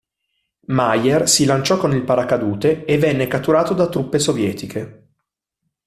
Maier si lanciò con il paracadute e venne catturato da truppe sovietiche.